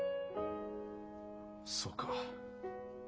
そうか。